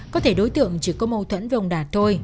có thể đối tượng chỉ có mâu thuẫn với ông đạt thôi